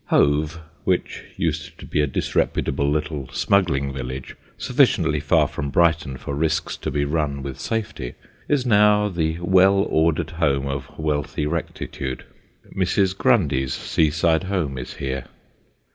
Hove, which used to be a disreputable little smuggling village sufficiently far from Brighton for risks to be run with safety, is now the well ordered home of wealthy rectitude. Mrs. Grundy's sea side home is here.